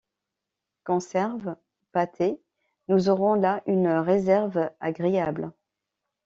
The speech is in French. Conserves, pâtés, nous aurons là une réserve agréable!